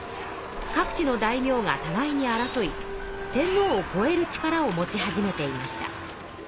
各地の大名がたがいに争い天皇をこえる力を持ち始めていました。